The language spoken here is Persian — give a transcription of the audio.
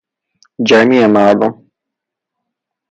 جمیع مردم